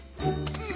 うん！